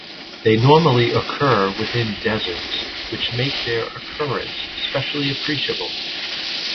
They normally occur within deserts which make their occurrence especially appreciable.